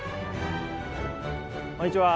こんにちは。